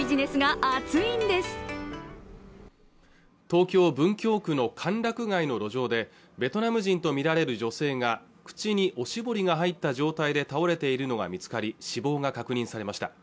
東京・文京区の歓楽街の路上でベトナム人と見られる女性が口におしぼりが入った状態で倒れているのが見つかり死亡が確認されました